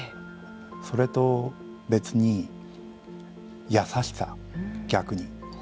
それとは別に優しさ、逆に。